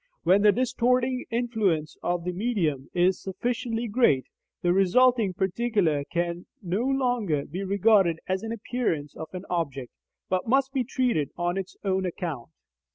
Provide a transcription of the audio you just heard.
When the distorting influence of the medium is sufficiently great, the resulting particular can no longer be regarded as an appearance of an object, but must be treated on its own account.